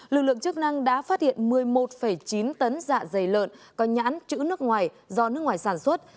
lực lượng chức năng đã phát hiện một mươi một chín tấn dạ dày lợn có nhãn chữ nước ngoài do nước ngoài sản xuất